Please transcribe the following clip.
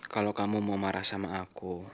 kalau kamu mau marah sama aku